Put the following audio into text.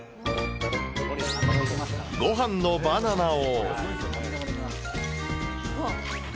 ごはんのバナナを。